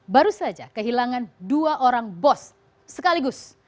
baru saja kehilangan dua orang bos sekaligus